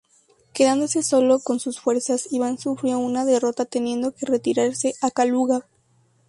Quedándose sólo con sus fuerzas, Iván sufrió una derrota teniendo que retirarse a Kaluga.